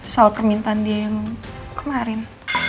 soal permintaan dia yang kemarin